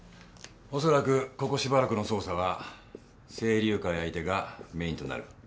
おそらくここしばらくの捜査は青竜会相手がメーンとなる。